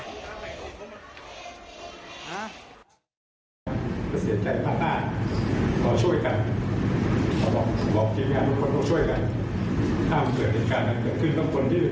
แต่คุณแม่ก็เดินตอนเรื่องการภาษาพยาบาลต่าง